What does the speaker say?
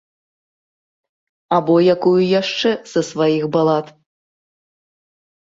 Або якую яшчэ са сваіх балад.